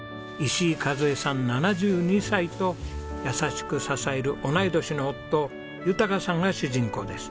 ７２歳と優しく支える同い年の夫豊さんが主人公です。